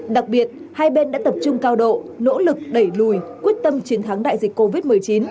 đặc biệt hai bên đã tập trung cao độ nỗ lực đẩy lùi quyết tâm chiến thắng đại dịch covid một mươi chín